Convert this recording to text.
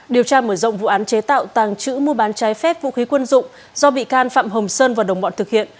điều tra mở rộng vụ án chế tạo tàng trữ mua bán trái phép vũ khí quân dụng do bị can phạm hồng sơn và đồng bọn thực hiện